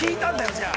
じゃあ！